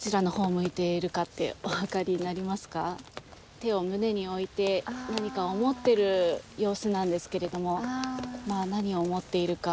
手を胸に置いて何かを思ってる様子なんですけれどもまあ何を思っているか。